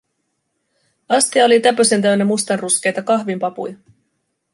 Astia oli täpösen täynnä mustanruskeita kahvinpapuja.